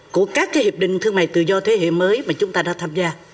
của các hiệp định thương mại tự do thế hệ mới mà chúng ta đã tham gia